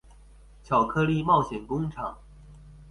巧克力冒險工廠